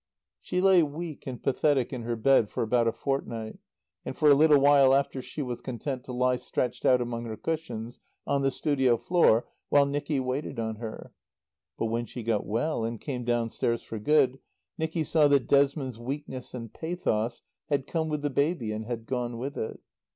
She lay weak and pathetic in her bed for about a fortnight; and for a little while after she was content to lie stretched out among her cushions on the studio floor, while Nicky waited on her. But, when she got well and came downstairs for good, Nicky saw that Desmond's weakness and pathos had come with the baby and had gone with it.